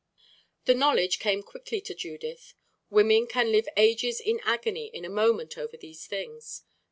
The knowledge came quickly to Judith. Women can live ages of agony in a moment over these things.